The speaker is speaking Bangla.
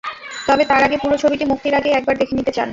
তবে, তাঁর আগে পুরো ছবিটি মুক্তির আগেই একবার দেখে নিতে চান।